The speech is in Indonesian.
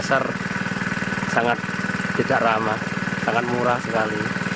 peser sangat jejak ramah sangat murah sekali